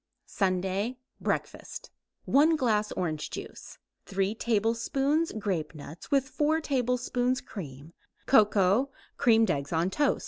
SUNDAY BREAKFAST 1 glass orange juice; 3 tablespoons grapenuts with 4 tablespoons cream; cocoa; creamed eggs on toast.